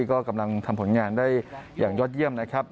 ก็กำลังทำผลงานได้อย่างยอดเยี่ยมนะครับ